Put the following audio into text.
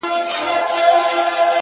عزیز دي راسي د خپلوانو شنه باغونه سوځي!